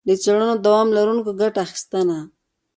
له څړونو دوام لرونکي ګټه اخیستنه.